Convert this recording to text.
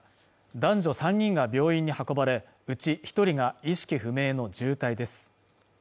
男女３人が病院に運ばれうち一人が意識不明の重体です